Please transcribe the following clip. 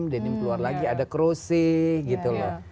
denim keluar lagi ada crossi gitu loh